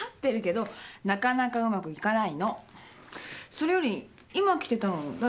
それより今来てたの誰？